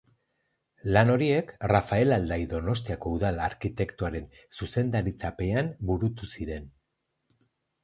Lan horiek Rafael Aldai Donostiako udal arkitektoaren zuzendaritzapean burutu ziren.